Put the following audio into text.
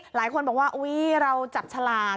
หลายคนบอกว่าอุ๊ยเราจับฉลาก